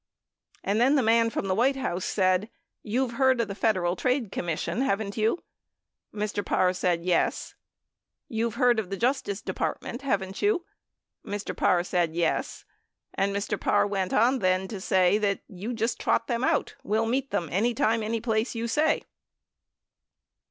And then the man from the "White House said, you've heard, of the Federal Trade Commission , haven't you? Mr. Parr said, yes. You've heard of the Justice Depart ment, haven't you? Mr. Parr said, yes. And Mr. Parr went on then to say that you just trot them out. We'll meet them any time, any place you say.